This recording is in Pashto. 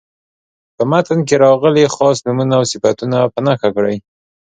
په متن کې راغلي خاص نومونه او صفتونه په نښه کړئ.